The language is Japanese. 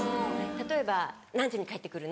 例えば「何時に帰ってくるの？」。